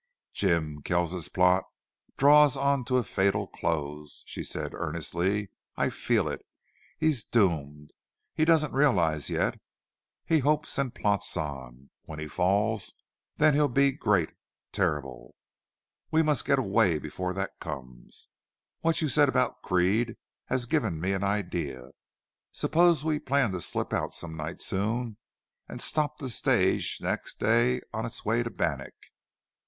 "Jim, Kells's plot draws on to a fatal close," she said, earnestly. "I feel it. He's doomed. He doesn't realize that yet. He hopes and plots on. When he falls, then he'll be great terrible. We must get away before that comes. What you said about Creede has given me an idea. Suppose we plan to slip out some night soon, and stop the stage next day on its way to Bannack?"